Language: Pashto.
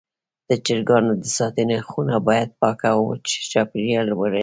د چرګانو د ساتنې خونه باید پاکه او وچ چاپېریال ولري.